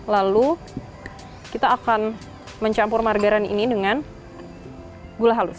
lalu kita akan mencampur margarin ini dengan gula halus